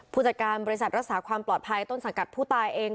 ผู้จัดการบริษัทรักษาความปลอดภัยต้นสังกัดผู้ตายเอง